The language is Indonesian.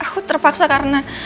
aku terpaksa karena